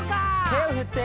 「手を振って」